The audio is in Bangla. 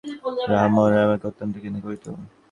রামমোহন রমাইকে অত্যন্ত ঘৃণা করিত।